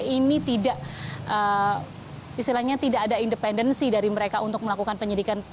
ini tidak istilahnya tidak ada independensi dari mereka untuk melakukan penyidikan